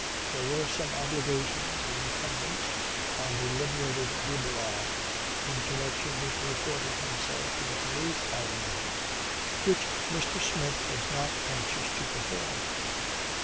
There were some obligations incumbent on the liberated de Barral (in connection with reporting himself to the police I imagine) which Mr. Smith was not anxious to perform.